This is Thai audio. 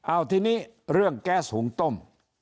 เอาทีนี้เรื่องแก๊สหุงต้ม